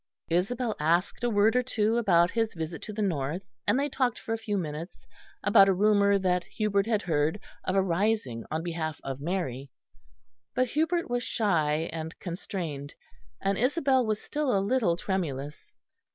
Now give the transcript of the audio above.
Isabel asked a word or two about his visit to the North, and they talked for a few minutes about a rumour that Hubert had heard of a rising on behalf of Mary: but Hubert was shy and constrained, and Isabel was still a little tremulous.